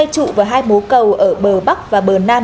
hai trụ và hai mố cầu ở bờ bắc và bờ nam